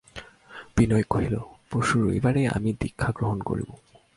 বিনয় কহিল, পরশু রবিবারেই আমি দীক্ষা গ্রহণ করব।